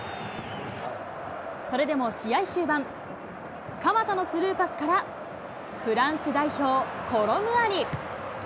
それでも試合終盤、鎌田のスルーパスから、フランス代表、コロムアニ。